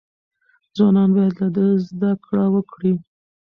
ځوانان باید له ده زده کړه وکړي.